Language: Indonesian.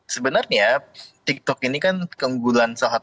sebenarnya tiktok ini kan keunggulan salah satu